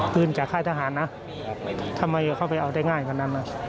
ปืนจากค่ายทหารนะทำไมเข้าไปเอาได้ง่ายกว่านั้นนะ